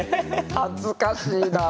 恥ずかしいな。